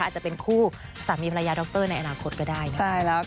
อาจจะเป็นคู่สามีมรายาทดอกเตอร์ในอนาคตก็ได้